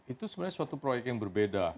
itu sebenarnya suatu proyek yang berbeda